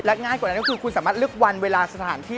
ง่ายกว่านั้นก็คือคุณสามารถเลือกวันเวลาสถานที่